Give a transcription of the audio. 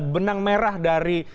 benang merah dari